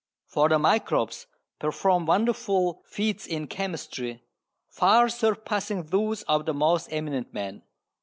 For the microbes perform wonderful feats in chemistry, far surpassing those of the most eminent men.